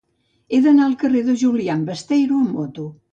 He d'anar al carrer de Julián Besteiro amb moto.